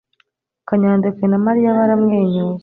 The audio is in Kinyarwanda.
Kanyadekwe na Mariya baramwenyuye.